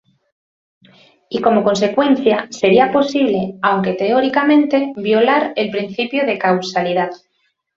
Y como consecuencia, sería posible, aunque teóricamente, violar el principio de causalidad.